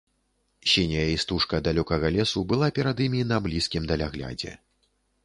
Сіняя істужка далёкага лесу была перад імі на блізкім даляглядзе.